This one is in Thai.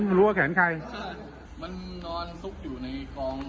ไม่รู้ว่าแขนใครใช่มันนอนซุกอยู่ในกอง